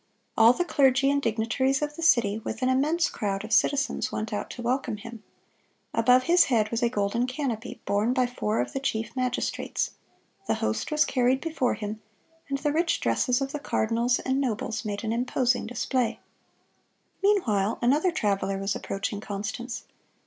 All the clergy and dignitaries of the city, with an immense crowd of citizens, went out to welcome him. Above his head was a golden canopy, borne by four of the chief magistrates. The host was carried before him, and the rich dresses of the cardinals and nobles made an imposing display. Meanwhile another traveler was approaching Constance.